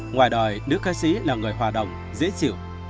ngoài đời nữ ca sĩ là người hòa đồng dễ chịu